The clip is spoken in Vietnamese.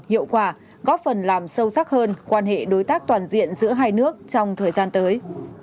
hiệu quả góp phần làm sâu sắc hơn quan hệ đối tác toàn diện giữa hai nước trong thời gian tới